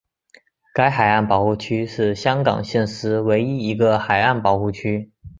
该海岸保护区是香港现时唯一一个海岸保护区。